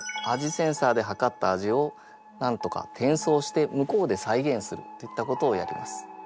センサーではかった味をなんとか転送して向こうで再現するっていったことをやります。